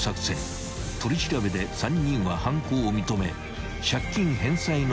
［取り調べで３人は犯行を認め］